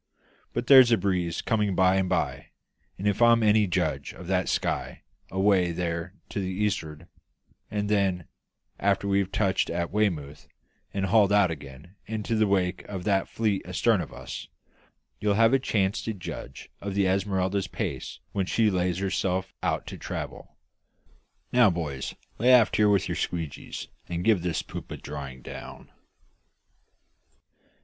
But there's a breeze coming by and by, if I'm any judge of that sky away there to the east'ard; and then, after we've touched at Weymouth and hauled out again into the wake of that fleet astarn of us, you'll have a chance to judge of the Esmeralda's paces when she lays herself out to travel. Now, boys, lay aft here with your squeegees, and give this poop a drying down!"